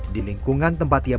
di lingkungan tempat ia berada